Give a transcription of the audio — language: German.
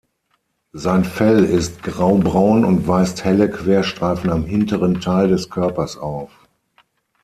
Sein Fell ist graubraun und weist helle Querstreifen am hinteren Teil des Körpers auf.